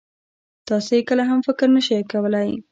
تاسې يې کله هم فکر نه شئ کولای.